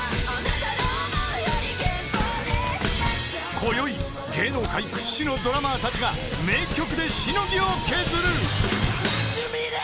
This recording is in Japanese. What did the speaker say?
［こよい芸能界屈指のドラマーたちが名曲でしのぎを削る］